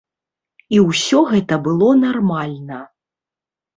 І ўсё гэта было нармальна.